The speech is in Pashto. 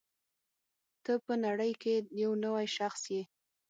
ته په نړۍ کې یو نوی شخص یې.